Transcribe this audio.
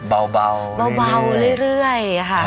เบาเรื่อย